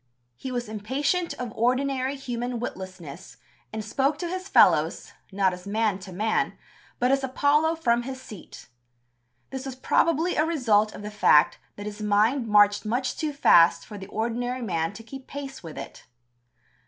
He was impatient of ordinary human witlessness, and spoke to his fellows, not as man to man, but as Apollo from his seat. This was probably a result of the fact that his mind marched much too fast for the ordinary man to keep pace with it.